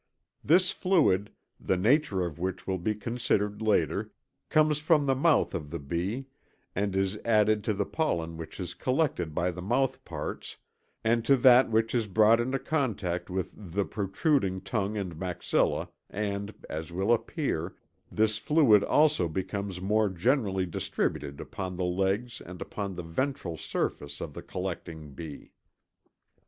This fluid, the nature of which will be considered later, comes from the mouth of the bee, and is added to the pollen which is collected by the mouthparts and to that which is brought into contact with the protruding tongue and maxillæ, and, as will appear, this fluid also becomes more generally distributed upon the legs and upon the ventral surface of the collecting bee.